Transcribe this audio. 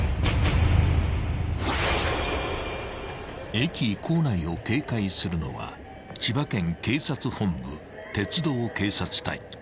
［駅構内を警戒するのは千葉県警察本部鉄道警察隊］